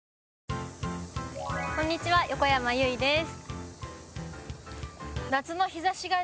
こんにちは、横山由依です。